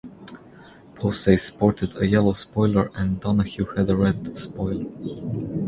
Posey sported a yellow spoiler and Donohue had a red spoiler.